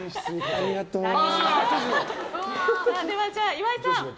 岩井さん